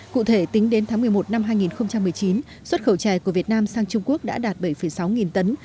cụ thể tính đến tháng một mươi một năm hai nghìn một mươi chín xuất khẩu chè của việt nam sang trung quốc đã đạt bảy sáu nghìn tấn